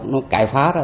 nó cải phá đó